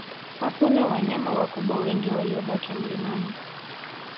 Hakuna wanyama wakubwa wengi waliobaki mlimani